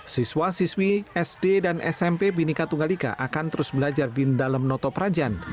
siswa siswi sd dan smp binika tunggal ika akan terus belajar di dalam noto prajan